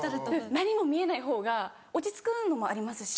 何も見えないほうが落ち着くのもありますし。